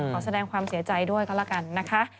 ขอแสดงความเสียใจด้วยก็แล้วกันนะคะ